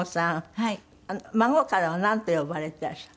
孫からはなんて呼ばれてらっしゃる？